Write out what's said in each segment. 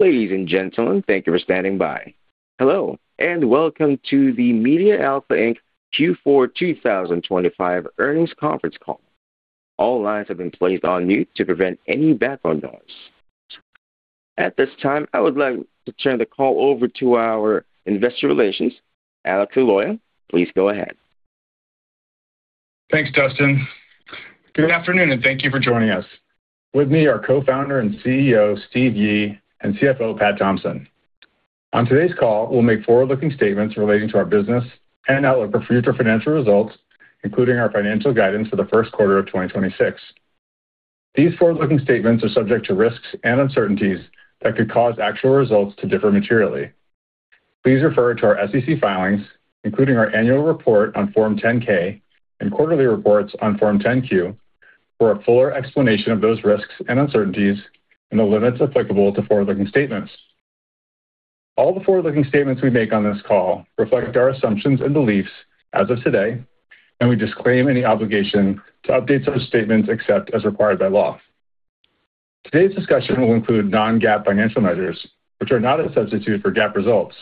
Ladies and gentlemen, thank you for standing by. Hello, welcome to the MediaAlpha Inc Q4 2025 Earnings Conference Call. All lines have been placed on mute to prevent any background noise. At this time, I would like to turn the call over to our Investor Relations, Alex Liloia. Please go ahead. Thanks, Dustin. Good afternoon, and thank you for joining us. With me, are Co-Founder and CEO, Steve Yi, and CFO, Pat Thompson. On today's call, we'll make forward-looking statements relating to our business and outlook for future financial results, including our financial guidance for the first quarter of 2026. These forward-looking statements are subject to risks and uncertainties that could cause actual results to differ materially. Please refer to our SEC filings, including our annual report on Form 10-K and quarterly reports on Form 10-Q, for a fuller explanation of those risks and uncertainties and the limits applicable to forward-looking statements. All the forward-looking statements we make on this call reflect our assumptions and beliefs as of today, and we disclaim any obligation to update such statements except as required by law. Today's discussion will include non-GAAP financial measures, which are not a substitute for GAAP results.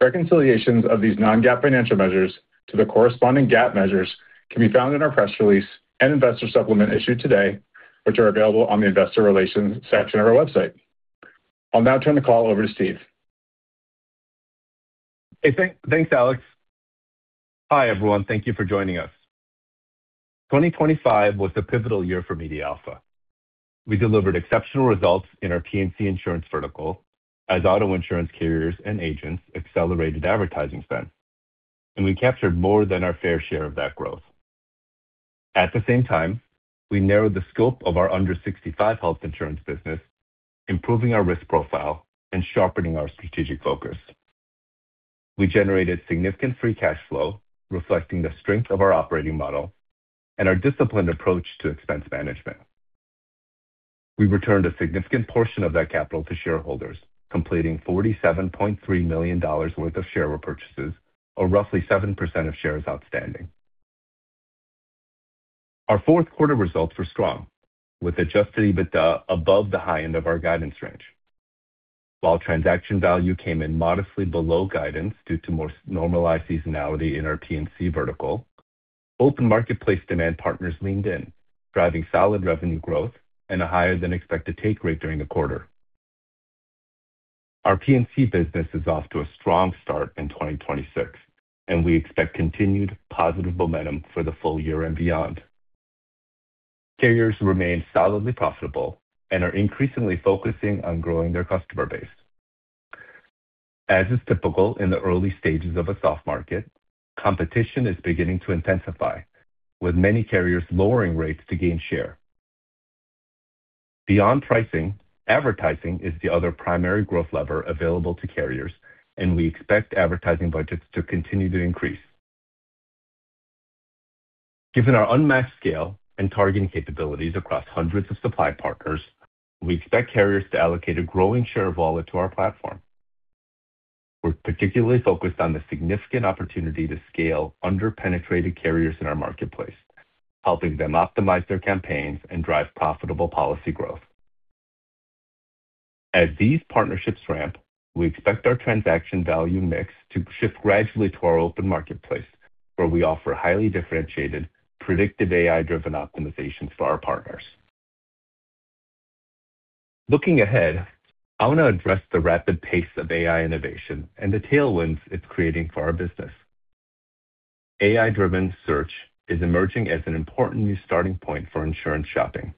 Reconciliations of these non-GAAP financial measures to the corresponding GAAP measures can be found in our press release and investor supplement issued today, which are available on the investor relations section of our website. I'll now turn the call over to Steve. Hey, thank, thanks, Alex. Hi, everyone. Thank you for joining us. 2025 was a pivotal year for MediaAlpha. We delivered exceptional results in our P&C insurance vertical as auto insurance carriers and agents accelerated advertising spend, and we captured more than our fair share of that growth. At the same time, we narrowed the scope of our Under-65 Health insurance business, improving our risk profile and sharpening our strategic focus. We generated significant free cash flow, reflecting the strength of our operating model and our disciplined approach to expense management. We returned a significant portion of that capital to shareholders, completing $47.3 million worth of share repurchases, or roughly 7% of shares outstanding. Our fourth quarter results were strong, with adjusted EBITDA above the high end of our guidance range. While transaction value came in modestly below guidance due to more normalized seasonality in our P&C vertical, Open Marketplace demand partners leaned in, driving solid revenue growth and a higher-than-expected take rate during the quarter. Our P&C business is off to a strong start in 2026, and we expect continued positive momentum for the full year and beyond. Carriers remain solidly profitable and are increasingly focusing on growing their customer base. As is typical in the early stages of a soft market, competition is beginning to intensify, with many carriers lowering rates to gain share. Beyond pricing, advertising is the other primary growth lever available to carriers, and we expect advertising budgets to continue to increase. Given our unmatched scale and targeting capabilities across hundreds of supply partners, we expect carriers to allocate a growing share of wallet to our platform. We're particularly focused on the significant opportunity to scale under-penetrated carriers in our marketplace, helping them optimize their campaigns and drive profitable policy growth. As these partnerships ramp, we expect our Transaction Value mix to shift gradually to our Open Marketplace, where we offer highly differentiated, predictive, AI-driven optimization for our partners. Looking ahead, I want to address the rapid pace of AI innovation and the tailwinds it's creating for our business. AI-driven search is emerging as an important new starting point for insurance shopping.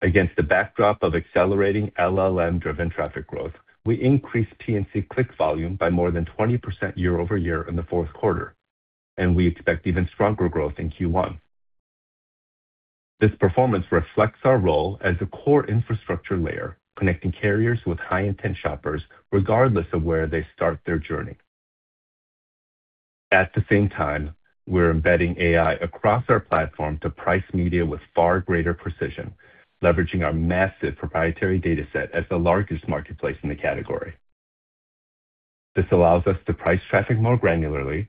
Against the backdrop of accelerating LLM-driven traffic growth, we increased P&C click volume by more than 20% year-over-year in the fourth quarter, and we expect even stronger growth in Q1. This performance reflects our role as a core infrastructure layer, connecting carriers with high-intent shoppers, regardless of where they start their journey. At the same time, we're embedding AI across our platform to price media with far greater precision, leveraging our massive proprietary data set as the largest marketplace in the category. This allows us to price traffic more granularly,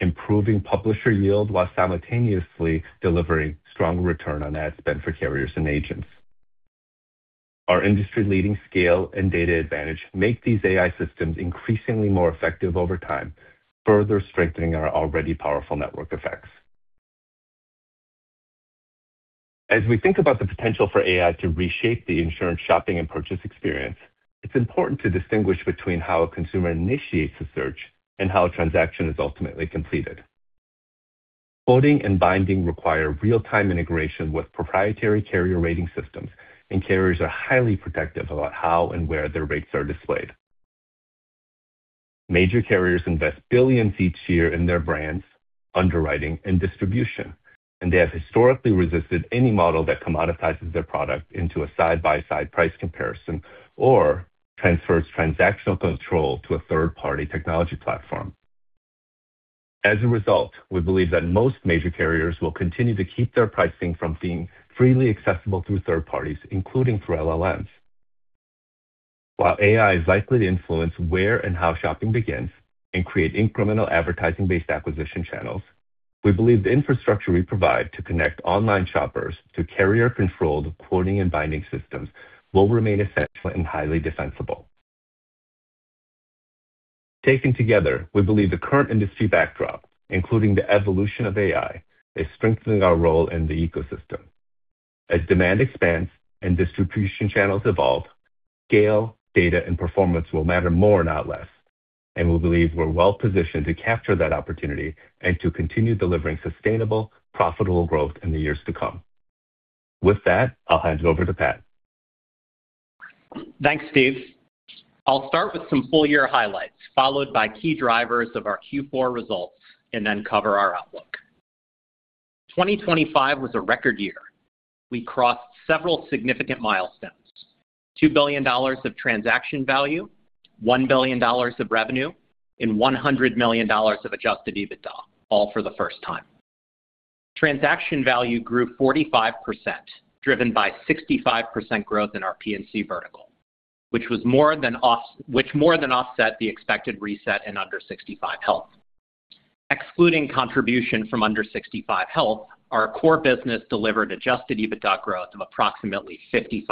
improving publisher yield while simultaneously delivering strong return on ad spend for carriers and agents. Our industry-leading scale and data advantage make these AI systems increasingly more effective over time, further strengthening our already powerful network effects. As we think about the potential for AI to reshape the insurance shopping and purchase experience, it's important to distinguish between how a consumer initiates a search and how a transaction is ultimately completed. Quoting and binding require real-time integration with proprietary carrier rating systems, and carriers are highly protective about how and where their rates are displayed. Major carriers invest billions each year in their brands, underwriting, and distribution. They have historically resisted any model that commoditizes their product into a side-by-side price comparison or transfers transactional control to a third-party technology platform. As a result, we believe that most major carriers will continue to keep their pricing from being freely accessible through third parties, including through LLMs. While AI is likely to influence where and how shopping begins and create incremental advertising-based acquisition channels, we believe the infrastructure we provide to connect online shoppers to carrier-controlled quoting and binding systems will remain essential and highly defensible. Taken together, we believe the current industry backdrop, including the evolution of AI, is strengthening our role in the ecosystem. As demand expands and distribution channels evolve, scale, data, and performance will matter more, not less, and we believe we're well-positioned to capture that opportunity and to continue delivering sustainable, profitable growth in the years to come. With that, I'll hand it over to Pat. Thanks, Steve. I'll start with some full year highlights, followed by key drivers of our Q4 results, then cover our outlook. 2025 was a record year. We crossed several significant milestones: $2 billion of Transaction Value, $1 billion of revenue, and $100 million of adjusted EBITDA, all for the first time. Transaction Value grew 45%, driven by 65% growth in our P&C vertical, which more than offset the expected reset in Under-65 Health. Excluding contribution from Under-65 Health, our core business delivered adjusted EBITDA growth of approximately 55%.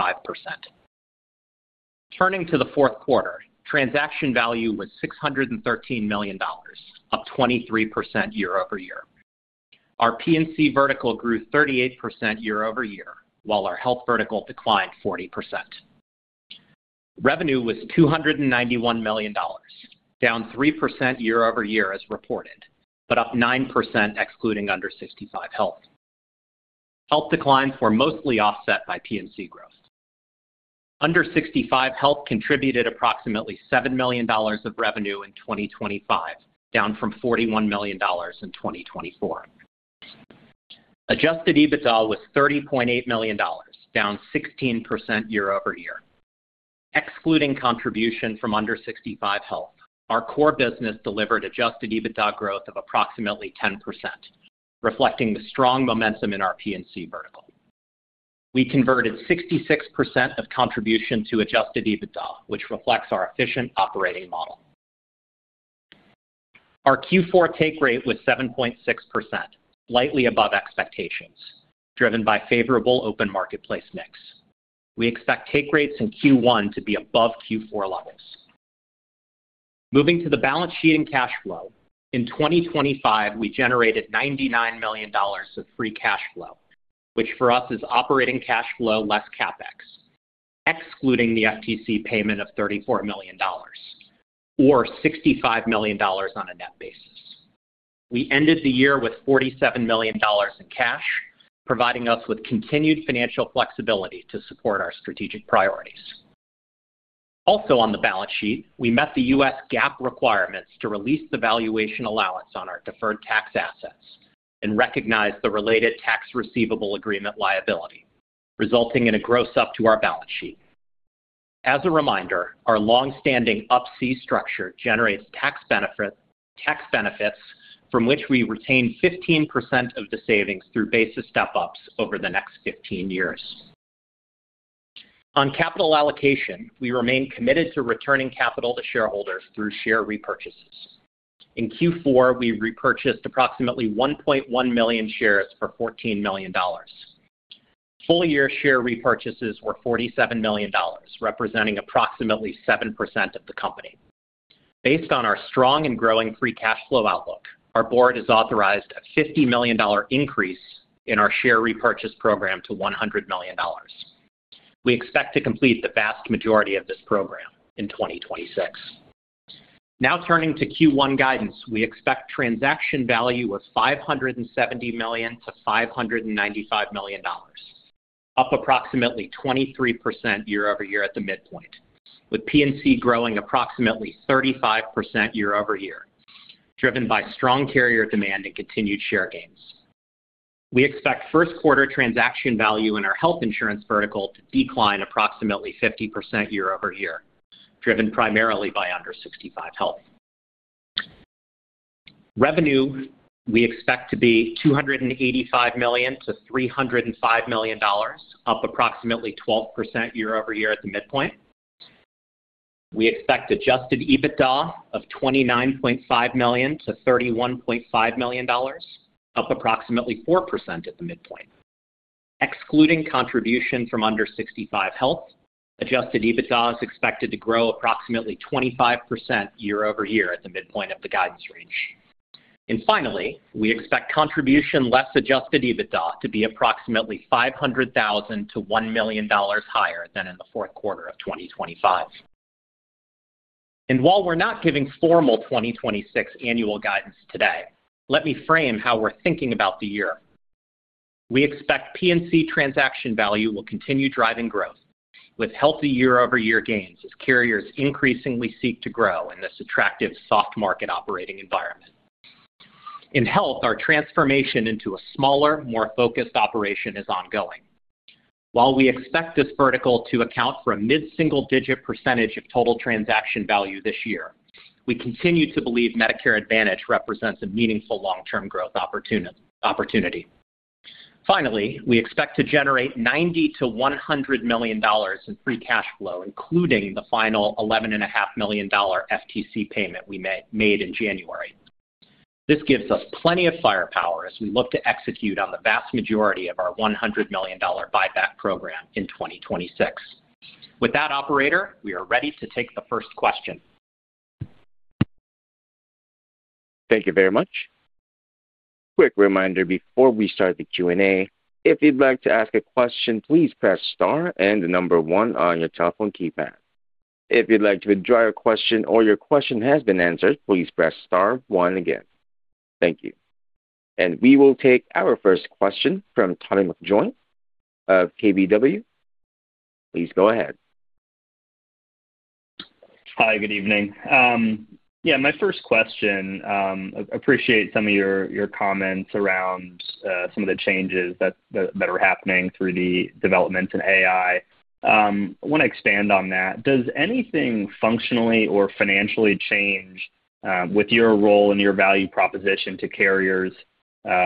Turning to the fourth quarter, Transaction Value was $613 million, up 23% year-over-year. Our P&C vertical grew 38% year-over-year, while our health vertical declined 40%. Revenue was $291 million, down 3% year-over-year as reported, up 9% excluding Under-65 Health. Health declines were mostly offset by P&C growth. Under-65 Health contributed approximately $7 million of revenue in 2025, down from $41 million in 2024. Adjusted EBITDA was $30.8 million, down 16% year-over-year. Excluding contribution from Under-65 Health, our core business delivered adjusted EBITDA growth of approximately 10%, reflecting the strong momentum in our P&C vertical. We converted 66% of contribution to adjusted EBITDA, which reflects our efficient operating model. Our Q4 take rate was 7.6%, slightly above expectations, driven by favorable Open Marketplace mix. We expect take rates in Q1 to be above Q4 levels. Moving to the balance sheet and cash flow. In 2025, we generated $99 million of free cash flow, which for us is operating cash flow less CapEx, excluding the FTC payment of $34 million, or $65 million on a net basis. We ended the year with $47 million in cash, providing us with continued financial flexibility to support our strategic priorities. Also, on the balance sheet, we met the U.S. GAAP requirements to release the valuation allowance on our deferred tax assets and recognized the related tax receivable agreement liability, resulting in a gross up to our balance sheet. As a reminder, our long-standing Up-C structure generates tax benefits, tax benefits from which we retain 15% of the savings through basis step-ups over the next 15 years. On capital allocation, we remain committed to returning capital to shareholders through share repurchases. In Q4, we repurchased approximately 1.1 million shares for $14 million. Full year share repurchases were $47 million, representing approximately 7% of the company. Based on our strong and growing free cash flow outlook, our board has authorized a $50 million increase in our share repurchase program to $100 million. We expect to complete the vast majority of this program in 2026. Now, turning to Q1 guidance. We expect transaction value of $570 million-$595 million, up approximately 23% year-over-year at the midpoint, with P&C growing approximately 35% year-over-year, driven by strong carrier demand and continued share gains. We expect first quarter transaction value in our health insurance vertical to decline approximately 50% year-over-year, driven primarily by Under-65 Health. Revenue, we expect to be $285 million-$305 million, up approximately 12% year-over-year at the midpoint. We expect adjusted EBITDA of $29.5 million-$31.5 million, up approximately 4% at the midpoint. Excluding contribution from Under-65 Health, adjusted EBITDA is expected to grow approximately 25% year-over-year at the midpoint of the guidance range. Finally, we expect contribution less adjusted EBITDA to be approximately $500,000-$1 million higher than in the fourth quarter of 2025. While we're not giving formal 2026 annual guidance today, let me frame how we're thinking about the year. We expect P&C transaction value will continue driving growth with healthy year-over-year gains as carriers increasingly seek to grow in this attractive soft market operating environment. In health, our transformation into a smaller, more focused operation is ongoing. While we expect this vertical to account for a mid-single digit percentage of total Transaction Value this year, we continue to believe Medicare Advantage represents a meaningful long-term growth opportunity. Finally, we expect to generate $90 million-$100 million in free cash flow, including the final $11.5 million FTC payment we made in January. This gives us plenty of firepower as we look to execute on the vast majority of our $100 million buyback program in 2026. With that, Operator, we are ready to take the first question. Thank you very much. Quick reminder before we start the Q&A, if you'd like to ask a question, please press star and the number one on your telephone keypad. If you'd like to withdraw your question or your question has been answered, please press star one again. Thank you. We will take our first question from Tommy McJoynt of KBW. Please go ahead. Hi, good evening. Yeah, my first question, appreciate some of your, your comments around, some of the changes that, that are happening through the developments in AI. I want to expand on that. Does anything functionally or financially change, with your role and your value proposition to carriers,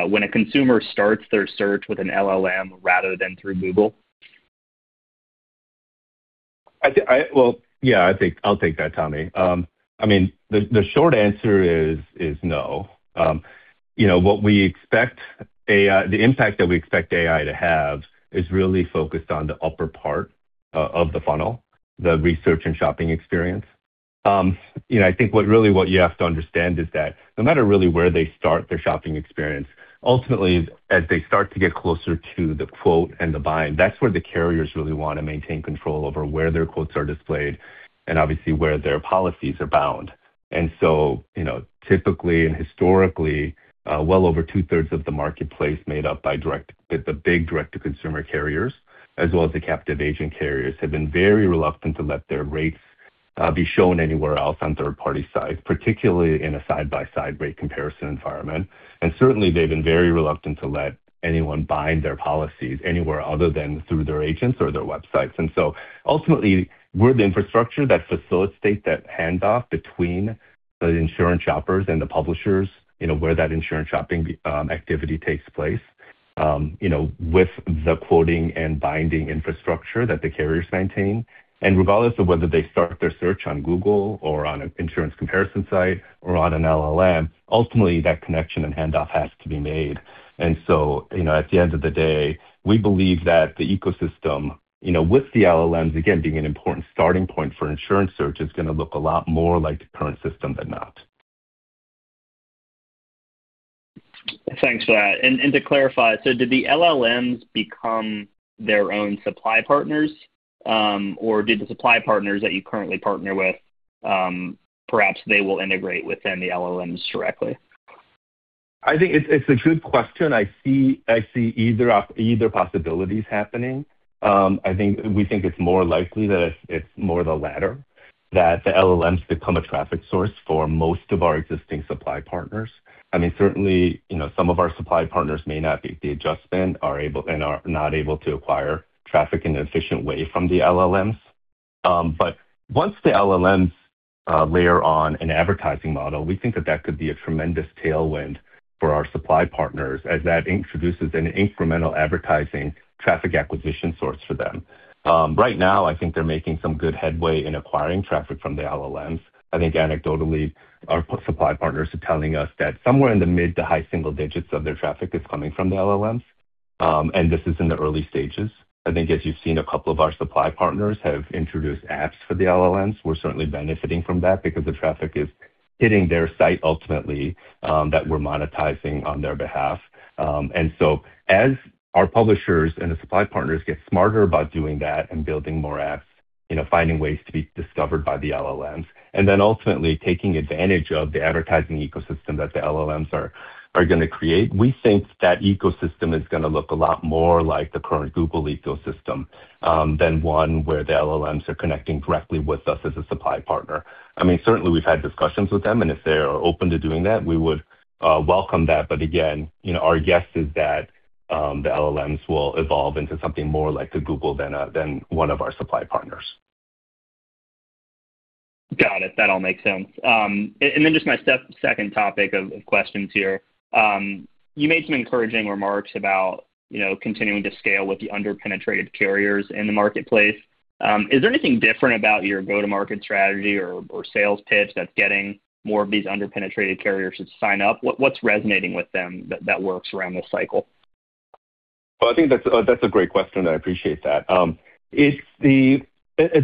when a consumer starts their search with an LLM rather than through Google? Well, yeah, I think I'll take that, Tommy. I mean, the short answer is no. You know, what we expect, the impact that we expect AI to have is really focused on the upper part of the funnel, the research and shopping experience. You know, I think really, what you have to understand is that no matter really where they start their shopping experience, ultimately, as they start to get closer to the quote and the bind, that's where the carriers really want to maintain control over where their quotes are displayed and obviously where their policies are bound. So, you know, typically and historically, well over 2/3 of the marketplace made up by direct, the big direct-to-consumer carriers, as well as the captive agent carriers, have been very reluctant to let their rates be shown anywhere else on third-party sites, particularly in a side-by-side rate comparison environment. Certainly, they've been very reluctant to let anyone bind their policies anywhere other than through their agents or their websites. Ultimately, we're the infrastructure that facilitates that handoff between the insurance shoppers and the publishers, you know, where that insurance shopping activity takes place. you know, with the quoting and binding infrastructure that the carriers maintain, and regardless of whether they start their search on Google or on an insurance comparison site or on an LLM, ultimately that connection and handoff has to be made. You know, at the end of the day, we believe that the ecosystem, you know, with the LLMs, again, being an important starting point for insurance search, is going to look a lot more like the current system than not. Thanks for that. To clarify, did the LLMs become their own supply partners, or did the supply partners that you currently partner with, perhaps they will integrate within the LLMs directly? I think it's a good question. I see either possibilities happening. We think it's more likely that it's more the latter, that the LLMs become a traffic source for most of our existing supply partners. I mean, certainly, you know, some of our supply partners may not be the adjustment, and are not able to acquire traffic in an efficient way from the LLMs. But once the LLMs layer on an advertising model, we think that that could be a tremendous tailwind for our supply partners, as that introduces an incremental advertising traffic acquisition source for them. Right now, I think they're making some good headway in acquiring traffic from the LLMs. I think anecdotally, our supply partners are telling us that somewhere in the mid to high single digits of their traffic is coming from the LLMs, and this is in the early stages. I think as you've seen, a couple of our supply partners have introduced apps for the LLMs. We're certainly benefiting from that because the traffic is hitting their site ultimately, that we're monetizing on their behalf. So as our publishers and the supply partners get smarter about doing that and building more apps, you know, finding ways to be discovered by the LLMs, and then ultimately taking advantage of the advertising ecosystem that the LLMs are, are going to create, we think that ecosystem is going to look a lot more like the current Google ecosystem, than one where the LLMs are connecting directly with us as a supply partner. I mean, certainly we've had discussions with them, and if they are open to doing that, we would welcome that. Again, you know, our guess is that the LLMs will evolve into something more like the Google than one of our supply partners. Got it. That all makes sense. Just my step second topic of, of questions here. You made some encouraging remarks about, you know, continuing to scale with the underpenetrated carriers in the marketplace. Is there anything different about your go-to-market strategy or, or sales pitch that's getting more of these underpenetrated carriers to sign up? What, what's resonating with them that, that works around this cycle? Well, I think that's a great question, I appreciate that.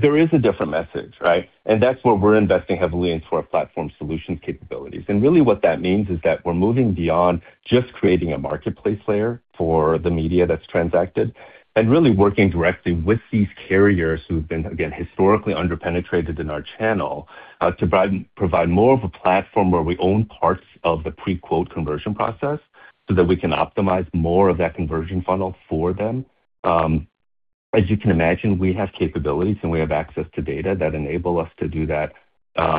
There is a different message, right? That's where we're investing heavily into our platform solution capabilities. Really what that means is that we're moving beyond just creating a marketplace layer for the media that's transacted, and really working directly with these carriers who've been, again, historically underpenetrated in our channel to provide more of a platform where we own parts of the pre-quote conversion process so that we can optimize more of that conversion funnel for them. As you can imagine, we have capabilities, and we have access to data that enable us to do that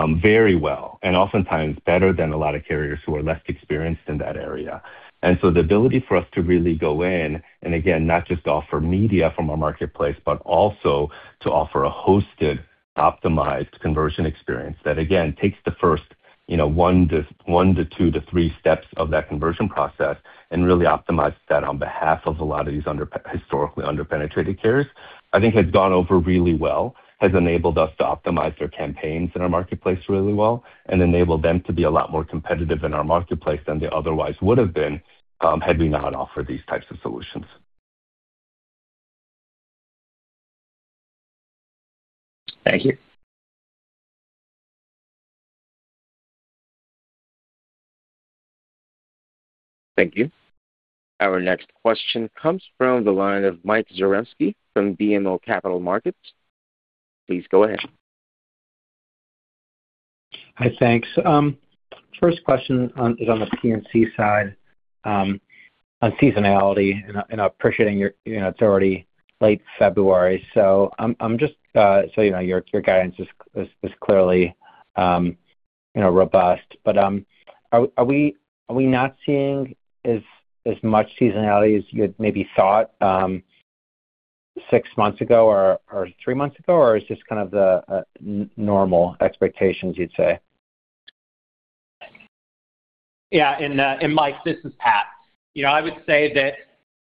very well, and oftentimes better than a lot of carriers who are less experienced in that area. The ability for us to really go in, and again, not just offer media from our marketplace, but also to offer a hosted, optimized conversion experience that, again, takes the first, you know, one to, one to two to three steps of that conversion process and really optimize that on behalf of a lot of these historically under-penetrated carriers, I think has gone over really well, has enabled us to optimize their campaigns in our marketplace really well, and enabled them to be a lot more competitive in our marketplace than they otherwise would have been, had we not offered these types of solutions. Thank you. Thank you. Our next question comes from the line of Michael Zaremski from BMO Capital Markets. Please go ahead. Hi, thanks. First question is on the P&C side, on seasonality, and I appreciating, you know, it's already late February, so I'm just, so you know, your guidance is clearly, you know, robust. Are we not seeing as much seasonality as you had maybe thought six months ago or three months ago? Or is this kind of the normal expectations, you'd say? Yeah, and Mike, this is Pat. You know, I would say that,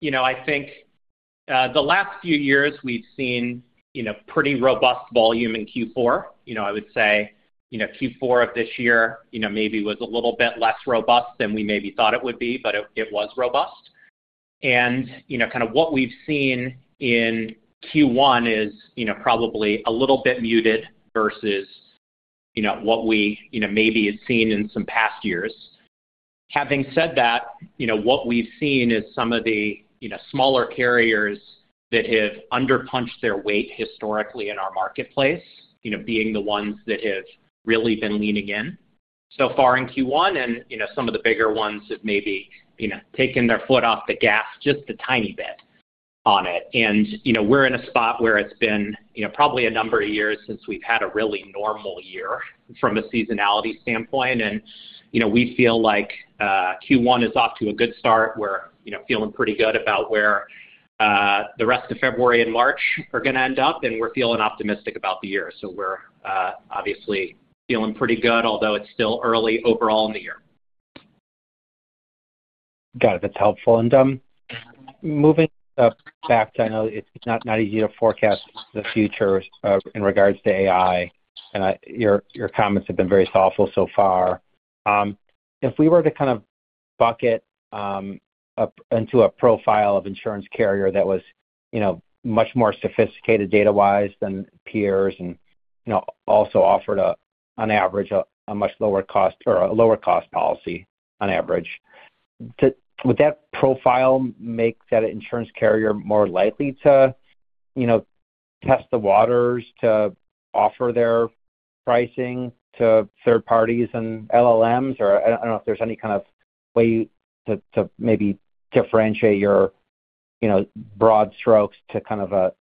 you know, I think the last few years we've seen, you know, pretty robust volume in Q4. You know, I would say, you know, Q4 of this year, you know, maybe was a little bit less robust than we maybe thought it would be, but it was robust. You know, kind of what we've seen in Q1 is, you know, probably a little bit muted versus, you know, what we, you know, maybe had seen in some past years. Having said that, you know, what we've seen is some of the, you know, smaller carriers that have underpunched their weight historically in our marketplace, you know, being the ones that have really been leaning in so far in Q1. You know, some of the bigger ones have maybe, you know, taken their foot off the gas just a tiny bit on it. You know, we're in a spot where it's been, you know, probably a number of years since we've had a really normal year from a seasonality standpoint. You know, we feel like Q1 is off to a good start. We're, you know, feeling pretty good about where the rest of February and March are gonna end up, and we're feeling optimistic about the year. We're obviously feeling pretty good, although it's still early overall in the year. Got it. That's helpful. Moving up back. I know it's not easy to forecast the future, in regards to AI, and I, your, your comments have been very thoughtful so far. If we were to kind of bucket up into a profile of insurance carrier that was, you know, much more sophisticated data-wise than peers and, you know, also offered, on average, a much lower cost or a lower cost policy on average, would that profile make that insurance carrier more likely to, you know, test the waters to offer their pricing to third parties and LLMs? I, I don't know if there's any kind of way to maybe differentiate your, you know, broad strokes to kind of a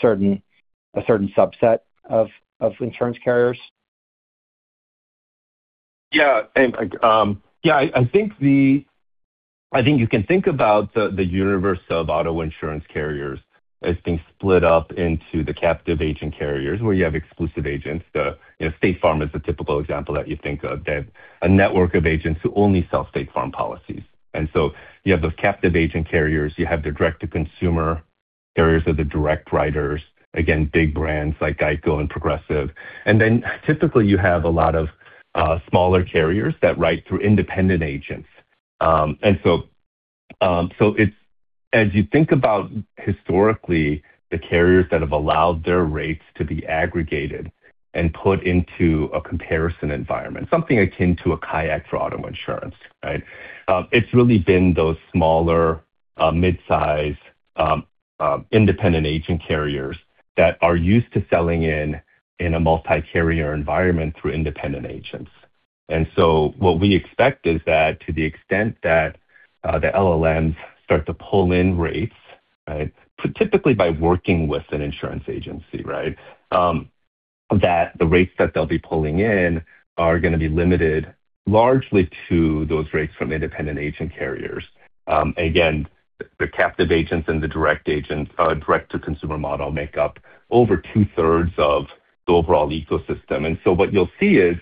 certain subset of insurance carriers. Yeah, and, yeah, I think you can think about the universe of auto insurance carriers as being split up into the captive agent carriers, where you have exclusive agents. The, you know, State Farm is a typical example that you think of, a network of agents who only sell State Farm policies. So you have those captive agent carriers, you have the direct-to-consumer carriers or the direct writers, again, big brands like GEICO and Progressive. Then typically you have a lot of smaller carriers that write through independent agents. So, as you think about historically, the carriers that have allowed their rates to be aggregated and put into a comparison environment, something akin to a Kayak for auto insurance, right? It's really been those smaller, mid-size, independent agent carriers that are used to selling in a multi-carrier environment through independent agents. So what we expect is that to the extent that the LLMs start to pull in rates, right, typically by working with an insurance agency, right, that the rates that they'll be pulling in are gonna be limited largely to those rates from independent agent carriers. Again, the captive agents and the direct agents, direct-to-consumer model make up over 2/3 of the overall ecosystem. So what you'll see is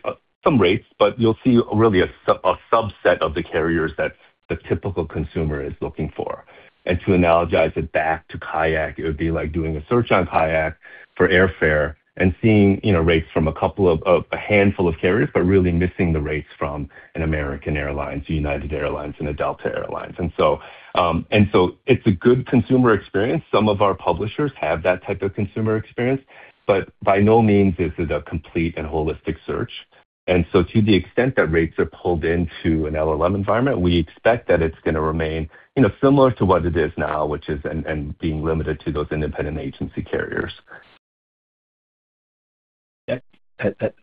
some rates, but you'll see really a subset of the carriers that the typical consumer is looking for. To analogize it back to Kayak, it would be like doing a search on Kayak for airfare and seeing, you know, rates from a couple of a handful of carriers, but really missing the rates from an American Airlines, United Airlines, and a Delta Airlines. It's a good consumer experience. Some of our publishers have that type of consumer experience, but by no means is it a complete and holistic search. To the extent that rates are pulled into an LLM environment, we expect that it's gonna remain, you know, similar to what it is now, which is being limited to those independent agency carriers. Yeah,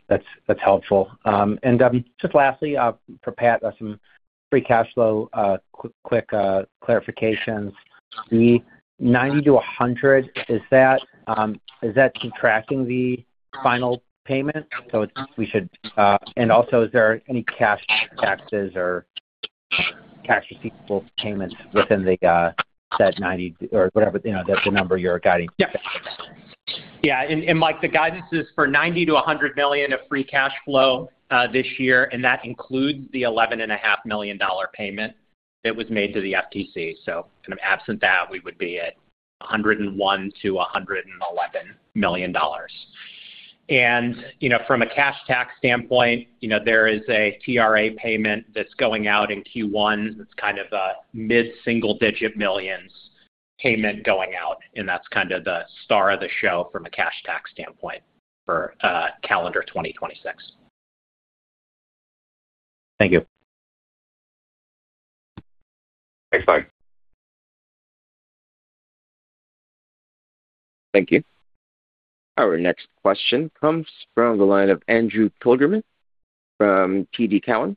that's helpful. And, just lastly, for Pat, on some free cash flow, quick clarifications. The $90 million-$100 million, is that subtracting the final payment? Also, is there any cash taxes or cash receivable payments within the said $90 million or whatever, you know, the number you're guiding? Yeah, and Mike, the guidance is for $90 million-$100 million of free cash flow this year, and that includes the $11.5 million payment that was made to the FTC. Kind of absent that, we would be at $101 million-$111 million. You know, from a cash tax standpoint, you know, there is a TRA payment that's going out in Q1. That's kind of a mid-single-digit millions payment going out, and that's kind of the star of the show from a cash tax standpoint for calendar 2026. Thank you. Thanks, Mike. Thank you. Our next question comes from the line of Andrew Kligerman from TD Cowen.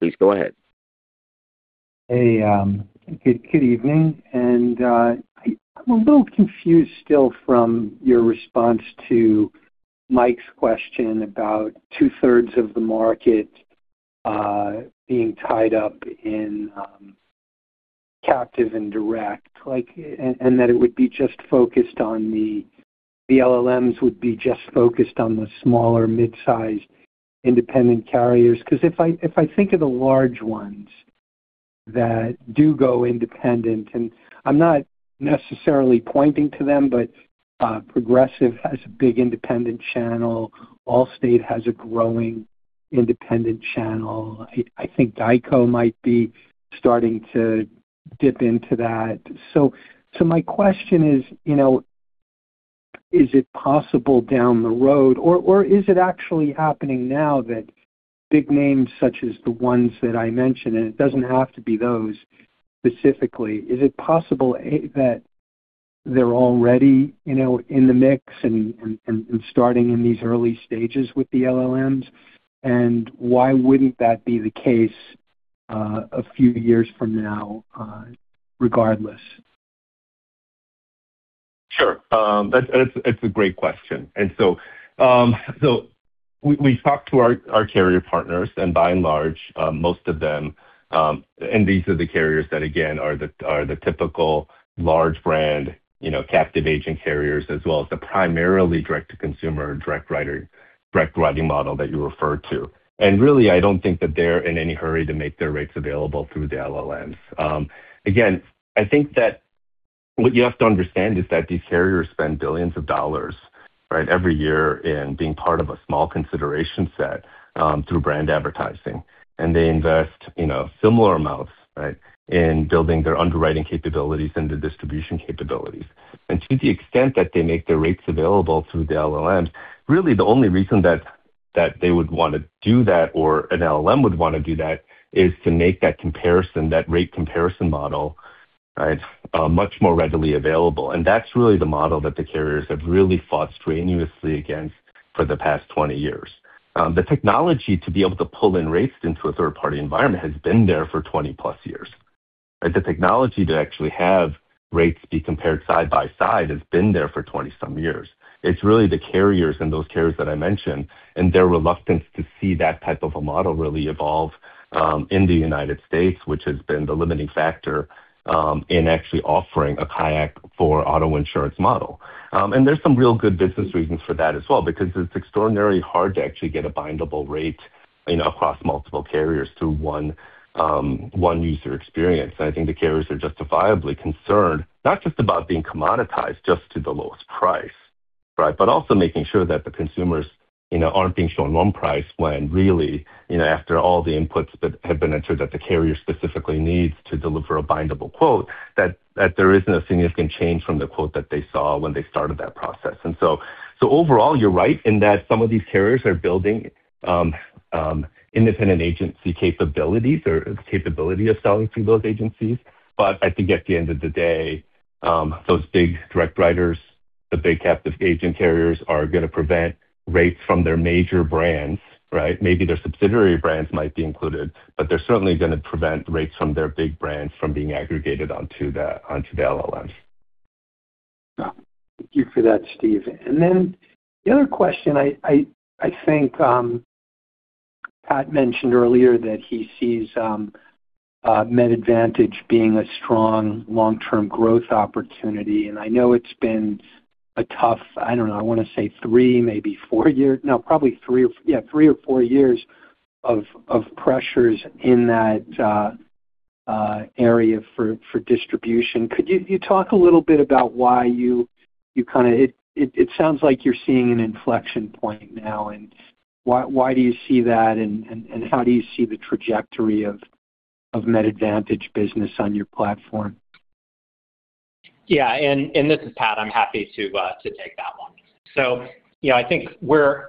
Please go ahead. Hey, good, good evening, and I'm a little confused still from your response to Mike's question about 2/3 of the market being tied up in, captive and direct, like, and that it would be the LLMs would be just focused on the smaller, mid-sized independent carriers. Because if I think of the large ones that do go independent, and I'm not necessarily pointing to them, but Progressive has a big independent channel. Allstate has a growing independent channel. I think GEICO might be starting to dip into that. My question is, you know, is it possible down the road, or is it actually happening now, that big names such as the ones that I mentioned, and it doesn't have to be those specifically, is it possible that they're already, you know, in the mix and starting in these early stages with the LLMs, and why wouldn't that be the case a few years from now, regardless? Sure. It's a great question. We, we've talked to our, our carrier partners, and by and large, most of them, and these are the carriers that, again, are the typical large brand, you know, captive agent carriers, as well as the primarily direct-to-consumer, direct writer, direct writing model that you referred to. Really, I don't think that they're in any hurry to make their rates available through the LLMs. Again, I think that what you have to understand is that these carriers spend billions of dollars, right, every year in being part of a small consideration set, through brand advertising. They invest, you know, similar amounts, right, in building their underwriting capabilities and the distribution capabilities. To the extent that they make their rates available through the LLMs, really the only reason that, that they would want to do that or an LLM would want to do that, is to make that comparison, that rate comparison model, right, much more readily available. That's really the model that the carriers have really fought strenuously against for the past 20 years. The technology to be able to pull in rates into a third-party environment has been there for 20+ years, and the technology to actually have rates be compared side by side has been there for 20-some years. It's really the carriers and those carriers that I mentioned, and their reluctance to see that type of a model really evolve, in the United States, which has been the limiting factor, in actually offering a Kayak for auto insurance model. There's some real good business reasons for that as well, because it's extraordinarily hard to actually get a bindable rate, you know, across multiple carriers through one user experience. I think the carriers are justifiably concerned, not just about being commoditized just to the lowest price, right? Also making sure that the consumers, you know, aren't being shown one price when really, you know, after all the inputs that have been entered, that the carrier specifically needs to deliver a bindable quote, that there isn't a significant change from the quote that they saw when they started that process. Overall, you're right in that some of these carriers are building, independent agency capabilities or the capability of selling to those agencies. I think at the end of the day, those big direct writers, the big captive agent carriers, are going to prevent rates from their major brands, right? Maybe their subsidiary brands might be included, but they're certainly going to prevent rates from their big brands from being aggregated onto the, onto the LLMs. Thank you for that, Steve. Then the other question, I think, Pat mentioned earlier that he sees Medicare Advantage being a strong long-term growth opportunity, and I know it's been a tough, I don't know, I want to say three, maybe four years. No, probably three or four years of pressures in that area for distribution. Could you talk a little bit about why you, you kind of, it sounds like you're seeing an inflection point now, and why do you see that, and how do you see the trajectory of Medicare Advantage business on your platform? Yeah, and this is Pat. I'm happy to to take that one. You know, I think we're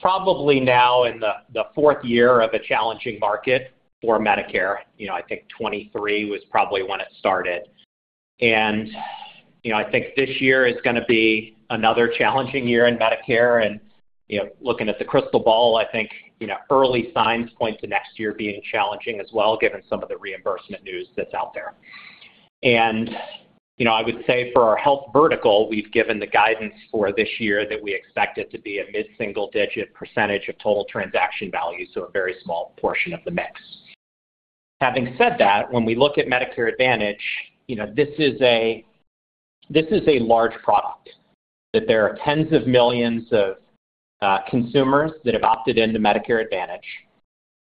probably now in the fourth year of a challenging market for Medicare. You know, I think 2023 was probably when it started. You know, I think this year is going to be another challenging year in Medicare. You know, looking at the crystal ball, I think, you know, early signs point to next year being challenging as well, given some of the reimbursement news that's out there. You know, I would say for our health vertical, we've given the guidance for this year that we expect it to be a mid-single-digit percentage of total Transaction Value, so a very small portion of the mix. Having said that, when we look at Medicare Advantage, you know, this is a large product that there are tens of millions of consumers that have opted into Medicare Advantage.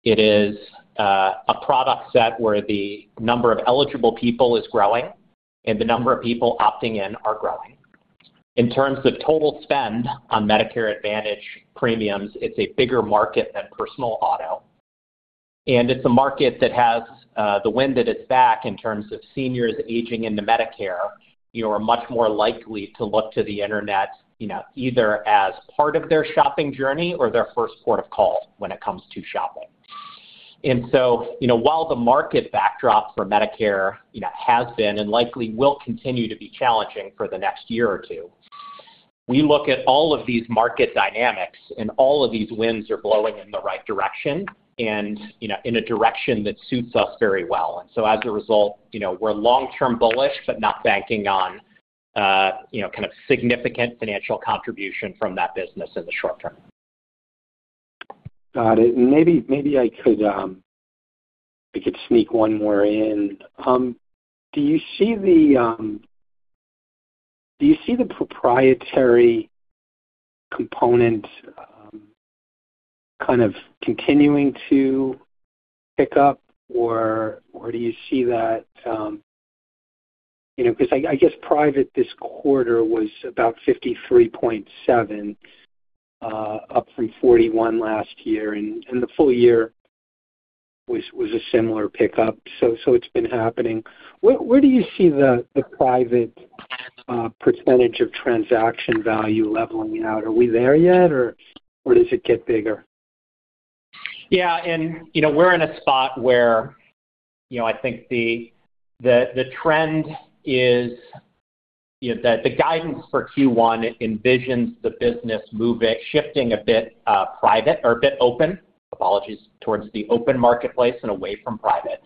It is a product set where the number of eligible people is growing and the number of people opting in are growing. In terms of total spend on Medicare Advantage premiums, it's a bigger market than personal auto, and it's a market that has the wind at its back in terms of seniors aging into Medicare, you know, are much more likely to look to the internet, you know, either as part of their shopping journey or their first port of call when it comes to shopping. You know, while the market backdrop for Medicare, you know, has been and likely will continue to be challenging for the next year or two, we look at all of these market dynamics, and all of these winds are blowing in the right direction and, you know, in a direction that suits us very well. As a result, you know, we're long-term bullish, but not banking on, you know, kind of significant financial contribution from that business in the short term. Got it. Maybe I could sneak one more in. Do you see the proprietary component, kind of continuing to pick up, or do you see that, you know, because I, I guess private this quarter was about 53.7, up from 41 last year, the full year was a similar pickup. It's been happening. Where, where do you see the private percentage of Transaction Value leveling out? Are we there yet, or does it get bigger? Yeah, you know, we're in a spot where, you know, I think the trend is, you know, that the guidance for Q1 envisions the business move it, shifting a bit, private or a bit Open Marketplace, apologies, towards the Open Marketplace and away from private.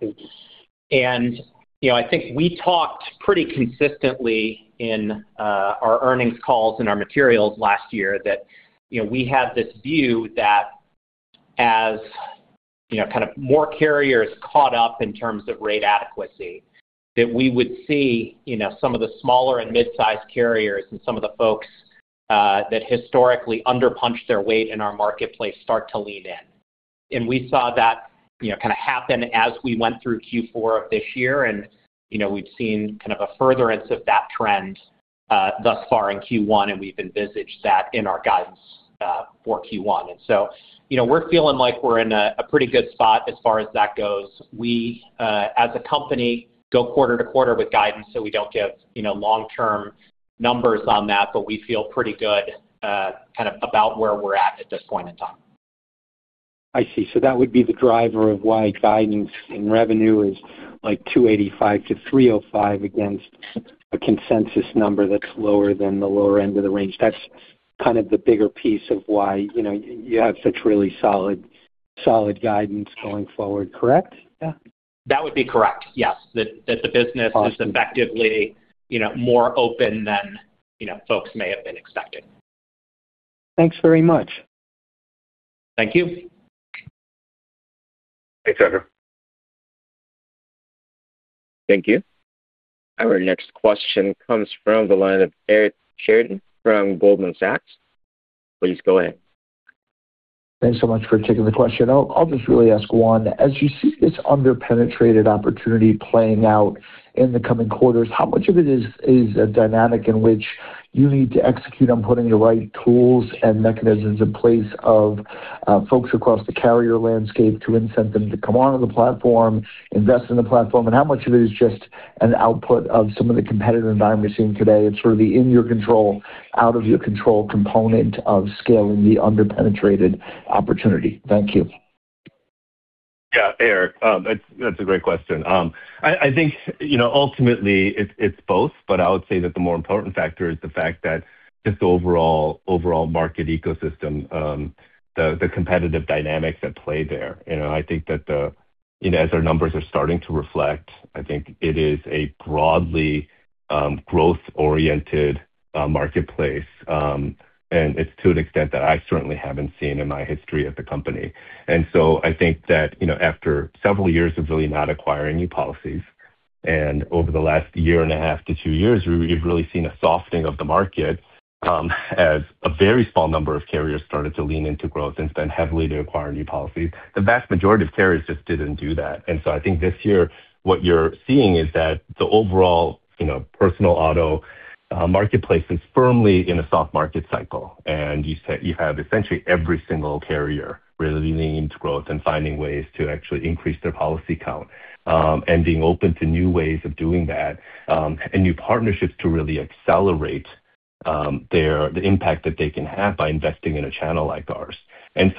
You know, I think we talked pretty consistently in our earnings calls and our materials last year that, you know, we had this view that as, you know, kind of more carriers caught up in terms of rate adequacy, that we would see, you know, some of the smaller and mid-sized carriers and some of the folks that historically under-punched their weight in our marketplace start to lean in. We saw that, you know, kind of happen as we went through Q4 of this year. You know, we've seen kind of a furtherance of that trend thus far in Q1, and we've envisaged that in our guidance for Q1. You know, we're feeling like we're in a pretty good spot as far as that goes. We, as a company, go quarter-to-quarter with guidance, so we don't give, you know, long-term numbers on that, but we feel pretty good, kind of about where we're at at this point in time. I see. That would be the driver of why guidance in revenue is like $285-$305 against a consensus number that's lower than the lower end of the range. That's kind of the bigger piece of why, you know, you have such really solid guidance going forward, correct? Yeah. That would be correct, yes. Awesome. That the business is effectively, you know, more open than, you know, folks may have been expecting. Thanks very much. Thank you. Thanks, Andrew. Thank you. Our next question comes from the line of Eric Sheridan from Goldman Sachs. Please go ahead. Thanks so much for taking the question. I'll just really ask one. As you see this under-penetrated opportunity playing out in the coming quarters, how much of it is a dynamic in which you need to execute on putting the right tools and mechanisms in place of folks across the carrier landscape to incent them to come onto the platform, invest in the platform, and how much of it is just an output of some of the competitive environment we're seeing today? It's sort of the in your control, out of your control component of scaling the under-penetrated opportunity. Thank you. Yeah, Eric, that's a great question. I think, you know, ultimately it's both, but I would say that the more important factor is the fact that just the overall market ecosystem, the competitive dynamics at play there. You know, as our numbers are starting to reflect, I think it is a broadly, growth-oriented marketplace, and it's to an extent that I certainly haven't seen in my history at the company. I think that, you know, after several years of really not acquiring new policies, and over the last one and a half to two years, we've really seen a softening of the market, as a very small number of carriers started to lean into growth and spend heavily to acquire new policies. The vast majority of carriers just didn't do that. I think this year what you're seeing is that the overall, you know, personal auto marketplace is firmly in a soft market cycle, and you say, you have essentially every single carrier really leaning into growth and finding ways to actually increase their policy count, and being open to new ways of doing that, and new partnerships to really accelerate the impact that they can have by investing in a channel like ours.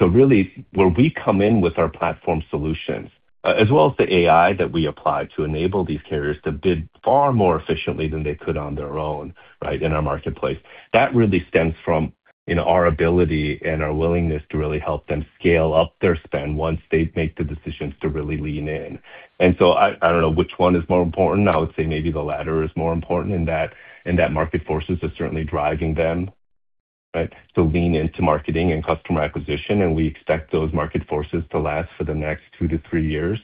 Really, where we come in with our platform solutions, as well as the AI that we apply to enable these carriers to bid far more efficiently than they could on their own, right, in our marketplace, that really stems from, you know, our ability and our willingness to really help them scale up their spend once they make the decisions to really lean in. I don't know which one is more important. I would say maybe the latter is more important in that market forces are certainly driving them, right, to lean into marketing and customer acquisition, and we expect those market forces to last for the next two to three years.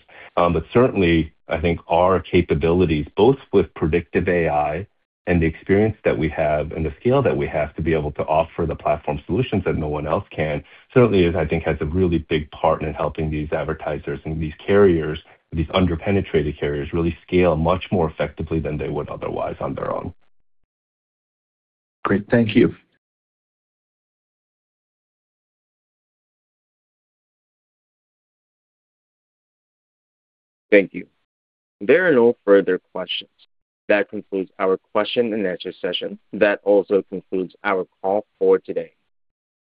Certainly, I think our capabilities, both with predictive AI and the experience that we have and the scale that we have to be able to offer the platform solutions that no one else can, certainly is, I think, has a really big part in helping these advertisers and these carriers, these under-penetrated carriers, really scale much more effectively than they would otherwise on their own. Great. Thank you. Thank you. There are no further questions. That concludes our question and answer session. That also concludes our call for today.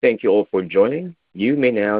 Thank you all for joining. You may now disconnect.